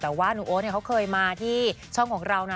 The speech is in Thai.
แต่ว่าหนูโอ๊ตเขาเคยมาที่ช่องของเรานะ